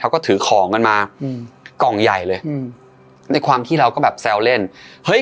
เขาก็ถือของกันมาอืมกล่องใหญ่เลยอืมในความที่เราก็แบบแซวเล่นเฮ้ย